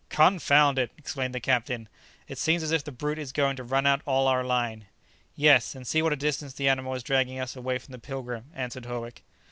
"Confound it!" exclaimed the captain; "it seems as if the brute is going to run out all our line." "Yes; and see what a distance the animal is dragging us away from the 'Pilgrim,'" answered Howick.